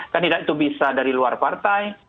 kandidat itu bisa dari luar partai